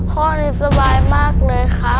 พ่อนี่สบายมากเลยค่ะ